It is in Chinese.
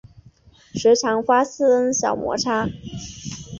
时常发生小摩擦